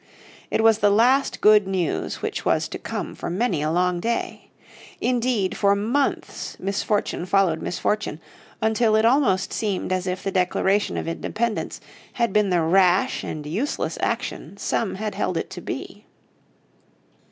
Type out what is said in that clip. It was the last good news which was to come for many a long day. Indeed for months misfortune followed misfortune, until it almost seemed as if the Declaration of Independence had been the rash and useless action some had held it to be.